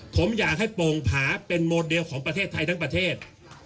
ผมอยากให้โป่งผาเป็นโมเดลของประเทศไทยทั้งประเทศ